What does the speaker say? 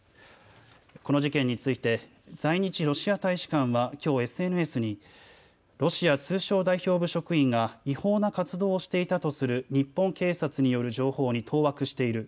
この事件について在日ロシア大使館はきょうＳＮＳにロシア通商代表部職員が違法な活動をしていたとする日本警察による情報に当惑している。